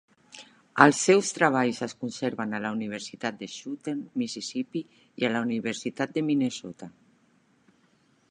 Els seus treballs es conserven a la Universitat de Southern Mississippi i a la Universitat de Minnesota.